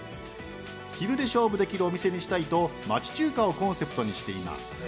昼で勝負できるお店にしたいと町中華をコンセプトにしています。